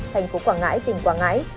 thành phố quảng ngãi tỉnh quảng ngãi